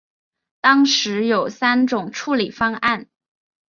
当时有三种处理方案。